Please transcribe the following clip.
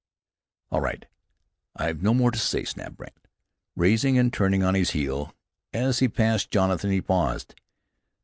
"All right. I've no more to say," snapped Brandt, rising and turning on his heel. As he passed Jonathan he paused.